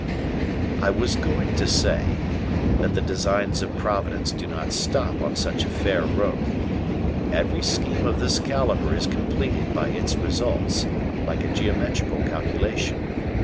"I was going to say, that the designs of Providence do not stop on such a fair road. Every scheme of this caliber is completed by its results, like a geometrical calculation.